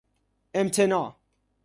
امتناع